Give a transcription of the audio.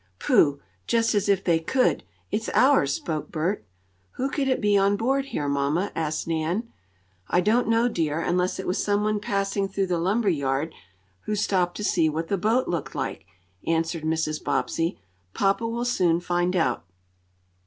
"Pooh! Just as if they could it's ours!" spoke Bert. "Who could it be on board here, mamma?" asked Nan. "I don't know, dear, unless it was some one passing through the lumber yard, who stopped to see what the boat looked like," answered Mrs. Bobbsey. "Papa will soon find out."